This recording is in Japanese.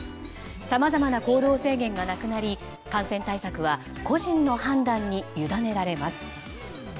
さまざまな行動制限がなくなり感染対策は個人の判断にゆだねられます。